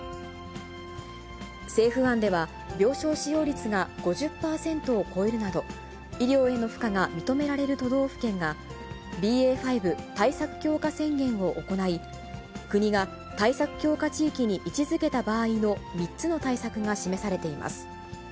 政府案では、病床使用率が５０％を超えるなど、医療への負荷が認められる都道府県が、ＢＡ．５対策強化宣言を行い、国が対策強化地域に位置づけた場合の３つの対策が示されています。